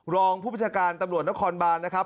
รองผู้ประชาการตำรวจนครบานนะครับ